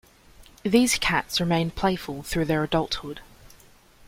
These cats remain playful through their adulthood.